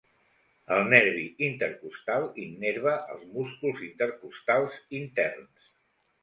El nervi intercostal innerva els músculs intercostals interns.